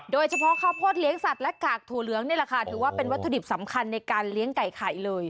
โดยเฉพาะข้าวโพดเลี้ยงสัตว์และกากถั่วเหลืองนี่แหละค่ะถือว่าเป็นวัตถุดิบสำคัญในการเลี้ยงไก่ไข่เลย